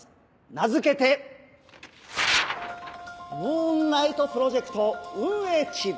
名付けて「ムーンナイトプロジェクト運営チーム」！